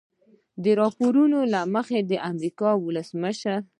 د راپورونو له مخې د امریکا ولسمشر